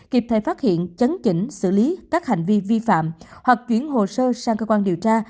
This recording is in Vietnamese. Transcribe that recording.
kịp thời phát hiện chấn chỉnh xử lý các hành vi vi phạm hoặc chuyển hồ sơ sang cơ quan điều tra